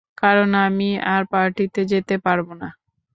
কারণ আমি আর পার্টিতে যেতে পারবো না।